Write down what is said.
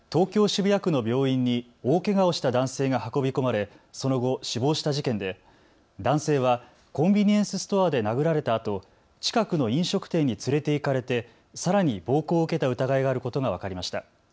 渋谷区の病院に大けがをした男性が運び込まれその後、死亡した事件で男性はコンビニエンスストアで殴られたあと近くの飲食店に連れて行かれてさらに暴行を受けた疑いがあることが分かりました。